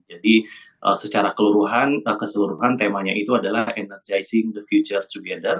jadi secara keseluruhan temanya itu adalah energizing the future together